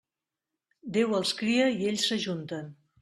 Déu els cria i ells s'ajunten.